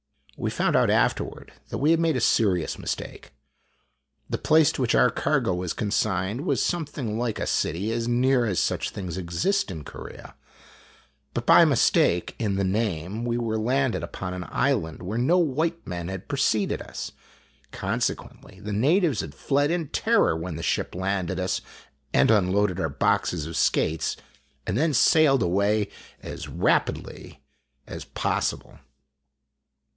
We found out afterward that we had made a serious mistake. The place to which our cargo was consigned was something like a city as nearly as such things exist in Corea. But, by a mistake in the name, we were landed upon an island where no white man had preceded us. Consequently, the natives had fled in terror when the ship landed us and unloaded our boxes of skates and then sailed away as rapidly as possible.